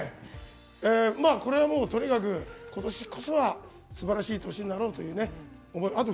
これはもう、とにかくことしこそはすばらしい年になろうという思い。